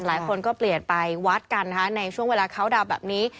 หลายคนก็เปลี่ยนไปวัดกันนะคะในช่วงเวลาเขาดาวน์แบบนี้